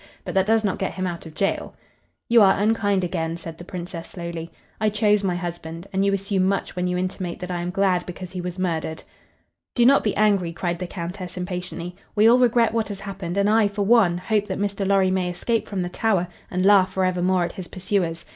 But that does not get him out of jail." "You are unkind again," said the Princess, slowly. "I chose my husband, and you assume much when you intimate that I am glad because he was murdered." "Do not be angry," cried the Countess, impatiently. "We all regret what has happened, and I, for one, hope that Mr. Lorry may escape from the Tower and laugh forevermore at his pursuers.